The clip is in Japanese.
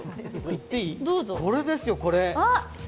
これですよ、これ。